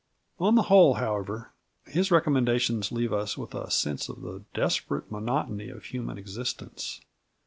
On the whole however, his recommendations leave us with a sense of the desperate monotony of human existence.